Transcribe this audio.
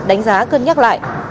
đánh giá cân nhắc lại